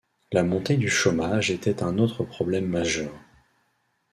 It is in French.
La montée du chômage était un autre problème majeur.